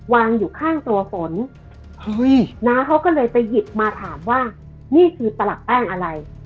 วางข้างหัวฝนน้าเขาก็ไปหยิบมาว่านี่คือตระแป้งอะไร